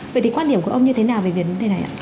vậy thì quan điểm của ông như thế nào về việc như thế này ạ